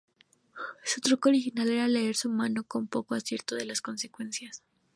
Su truco original era leer de su mano con poco acierto en las consecuencias.